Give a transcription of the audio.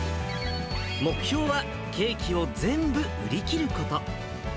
目標はケーキを全部売り切ること。